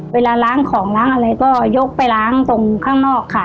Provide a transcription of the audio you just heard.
เวลาล้างของล้างอะไรก็ยกไปล้างตรงข้างนอกค่ะ